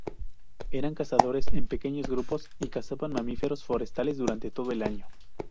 Eran cazadores en pequeños grupos, y cazaban mamíferos forestales durante todo el año.